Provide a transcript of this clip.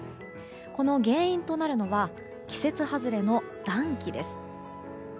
この原因となるのは季節外れの暖気です。